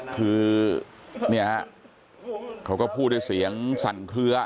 คือเนี่ยฮะเขาก็พูดด้วยเสียงสั่นเคลือ